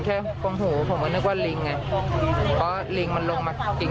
แค่ข้องหมูผมเลยนึกว่าลิงไงเพราะลิงมันลงมากิน